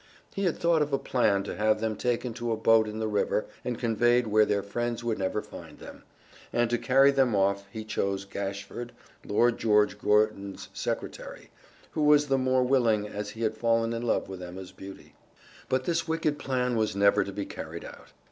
He had thought of a plan to have them taken to a boat in the river and conveyed where their friends would never find them, and to carry them off he chose Gashford, Lord George Gordon's secretary, who was the more willing as he had fallen in love with Emma's beauty. But this wicked plan was never to be carried out.